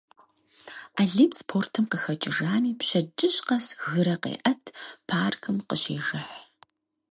Алим спортым къыхэкӏыжами, пщэдджыжь къэс гырэ къеӏэт, паркым къыщежыхь.